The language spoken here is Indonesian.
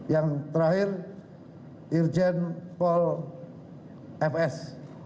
yang terakhir irjen pol fs